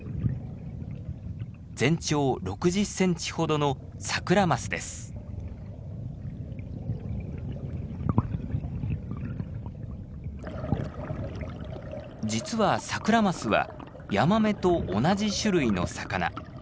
全長６０センチほどの実はサクラマスはヤマメと同じ種類の魚。